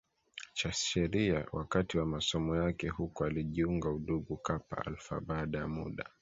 cha Sheria Wakati wa masomo yake huko alijiunga udugu Kappa Alpha Baada ya muda